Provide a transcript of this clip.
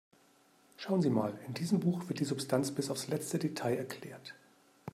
Schauen Sie mal, in diesem Buch wird die Substanz bis aufs letzte Detail erklärt.